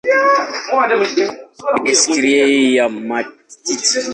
Eksirei ya matiti.